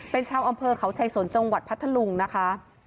เป็นชาวอำเภอเขาชัยสนจังหวัดพัทธลุงนะคะ